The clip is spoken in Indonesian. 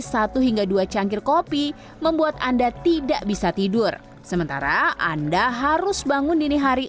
satu hingga dua cangkir kopi membuat anda tidak bisa tidur sementara anda harus bangun dini hari